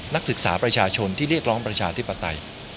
นักศึกษาประชาชนที่เรียกร้องประชาธิปไตย